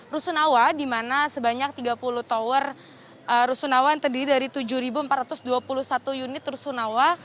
rusunawa di mana sebanyak tiga puluh tower rusunawa yang terdiri dari tujuh empat ratus dua puluh satu unit rusunawa